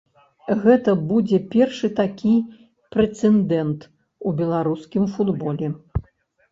Гэта будзе першы такі прэцэдэнт у беларускім футболе.